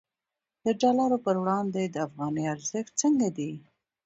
د ډالر پر وړاندې د افغانۍ ارزښت څنګه دی؟